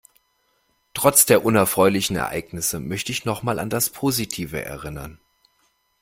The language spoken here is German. Trotz der unerfreulichen Ereignisse, möchte ich noch mal an das Positive erinnern.